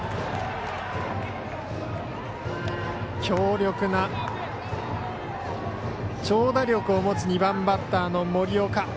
強力な長打力を持つ２番バッターの森岡。